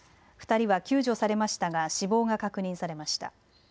２人は救助されましたが死亡が確認されました。